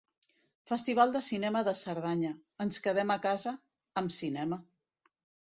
Festival de Cinema de Cerdanya: ens quedem a casa... amb cinema.